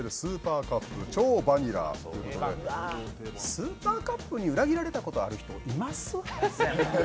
スーパーカップに裏切られたことある人います？